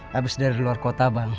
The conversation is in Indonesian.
habis dari luar kota bandung